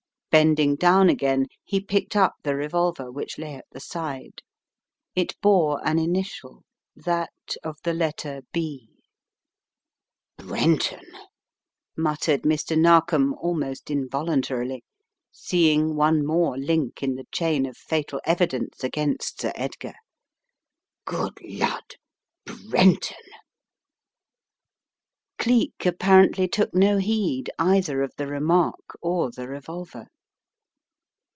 Bending down again, he picked up the revolver which lay at the side. It bore an initial, that of the letter B. "Brenton," muttered Mr. Narkom almost invol untarily, seeing one more link in the chain of fatal evidence against Sir Edgar. "Good lud, Brenton!" A Terrible Discovery 129 Geek apparently took no heed either of the remark or the revolver.